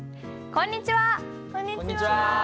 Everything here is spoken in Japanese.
こんにちは！